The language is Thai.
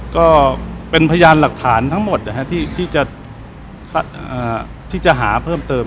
ก็เป็นพยานหลักฐานทั้งหมดที่จะหาเพิ่มเติม